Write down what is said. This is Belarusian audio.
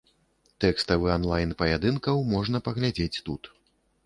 Тэкставы анлайн паядынкаў можна паглядзець тут.